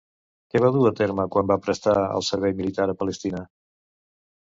Què va dur a terme quan va prestar el servei militar a Palestina?